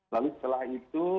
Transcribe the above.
lalu setelah itu